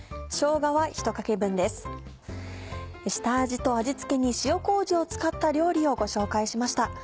下味と味付けに塩麹を使った料理をご紹介しました。